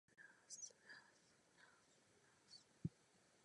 Pod chórem je hrobka opatů a hrobka řeholníků.